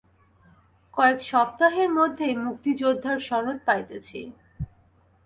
কয়েক সপ্তাহের মধ্যেই মুক্তিযোদ্ধার সনদ পাইতেছি।